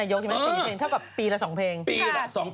งู้ครันผิดให้ออกพี่ม็อต